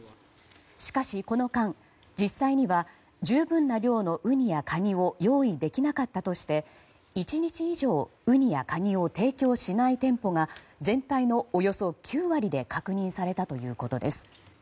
しかしこの間、実際には十分な量のウニやカニを用意できなかったとして１日以上ウニやカニを提供しない店舗が全体のおよそ９割で確認されたということです。